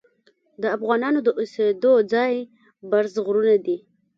د افغانانو د اوسیدلو ځای برز غرونه دي.